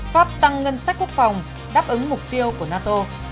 pháp tăng ngân sách quốc phòng đáp ứng mục tiêu của nato